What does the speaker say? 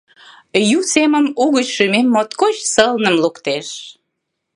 Ю семым Угыч шӱмем моткоч сылным луктеш.